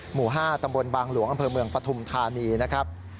หมู่๕ตำบลบางหลวงอำเภอเมืองปฐุมธานีนะครับ